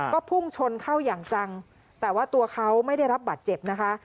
ก็พุ่งชนเข้าอย่างจังแต่ว่าตัวเขาไม่ได้รับบัตรเจ็บนะคะ